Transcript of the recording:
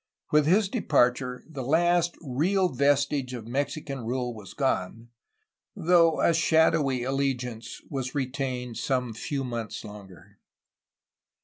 With his departure the last real vestige of Mexican rule was gone, though a shadowy allegiance was retained some few months longer.